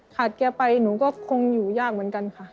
แกไปหนูก็คงอยู่ยากเหมือนกันค่ะ